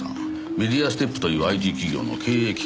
メディアステップというＩＴ企業の経営企画部長です。